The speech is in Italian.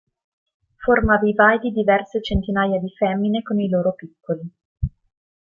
Forma vivai di diverse centinaia di femmine con i loro piccoli.